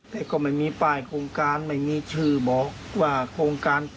แต่ก็ไม่มีป้ายโครงการไม่มีชื่อบอกว่าโครงการ